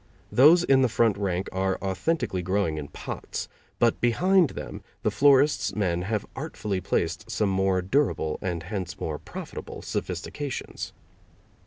Those in the front rank are authentically growing in pots, but behind them the florist's men have artfully placed some more durable, and hence more profitable, sophistications.